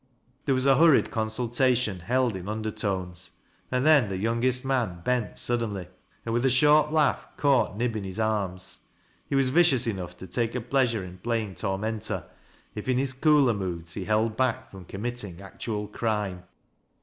There was a hurried consultation held in undertones, and thei the youngest man bent suddenly, and, with a short laugh caught Nib in his arms. He was vicious enough to take a pleasure in playing tormentor, if in his cooler moods he held back from committing actual crime.